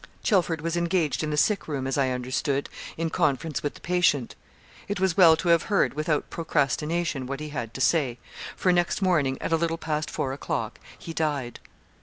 Chelford was engaged in the sick room, as I understood, in conference with the patient. It was well to have heard, without procrastination, what he had to say; for next morning, at a little past four o'clock, he died.